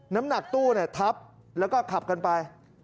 น้ำหนักตู้ทับแล้วก็ขับกันไป